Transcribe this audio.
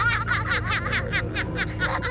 dan tidak meraguk